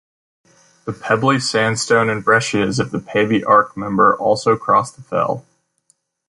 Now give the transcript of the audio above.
The pebbly sandstone and breccias of the Pavey Ark Member also cross the fell.